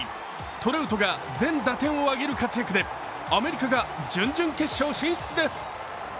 トラウトが全打点を挙げる活躍でアメリカが準々決勝進出です。